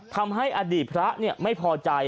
ทำให้อดีตพระไม่พอใจ